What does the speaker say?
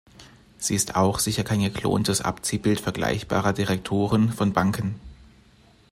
Sie ist auch sicher kein geklontes Abziehbild vergleichbarer Direktoren von Banken.